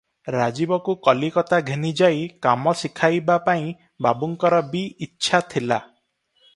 ରାଜୀବକୁ କଲିକତା ଘେନିଯାଇ କାମ ଶିଖାଇବାପାଇଁ ବାବୁଙ୍କର ବି ଇଚ୍ଛା ଥିଲା |